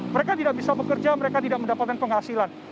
mereka tidak bisa bekerja mereka tidak mendapatkan penghasilan